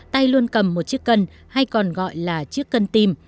tay luôn cầm một chiếc cân hay còn gọi là chiếc cân tim